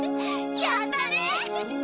やったね！